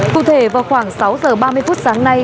cụ thể vào khoảng sáu giờ ba mươi phút sáng nay